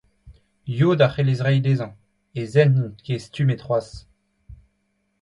Yod a c'hellez reiñ dezhañ, e zent n'int ket stummet c'hoazh.